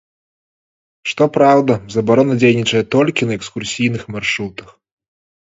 Што праўда, забарона дзейнічае толькі на экскурсійных маршрутах.